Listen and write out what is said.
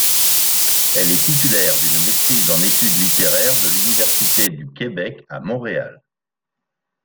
Elle est titulaire d'une maîtrise en études littéraires de l'Université du Québec à Montréal.